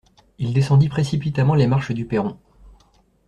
Il descendit précipitamment les marches du perron.